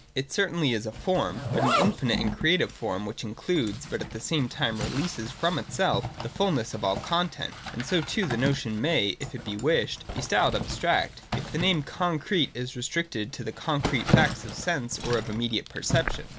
It certainly is a form, but an infinite and 288 THE DOCTRINE OF THE NOTION. [i6o, i6i. creative form, which includes, but at the same time releases from itself, the fulness of all content. And so too the notion may, if it be wished, be styled abstract, if the name concrete is restricted to the concrete facts of sense or of immediate perception.